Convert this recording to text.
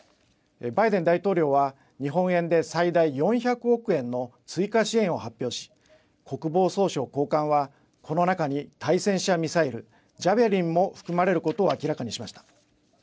バイデン大統領は日本円で最大４００億円の追加支援を発表し国防総省高官はこの中に対戦車ミサイルジャベリンも含まれることを明らかにしました。